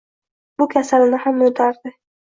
Bu kasalini ham unutardi.